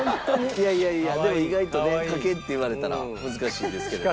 いやいやいやでも意外とね描けって言われたら難しいですけども。